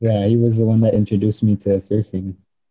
ya dia yang memperkenalkan gue ke pengembaraan